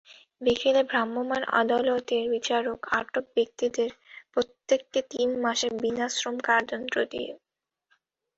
বিকেলে ভ্রাম্যমাণ আদালতের বিচারক আটক ব্যক্তিদের প্রত্যেককে তিন মাসের বিনাশ্রম কারাদণ্ড দেন।